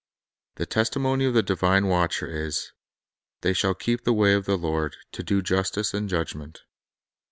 The testimony of the divine Watcher is, "They shall keep the way of the Lord, to do justice and judgment."